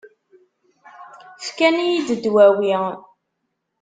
Fkan-iyi-d ddwawi.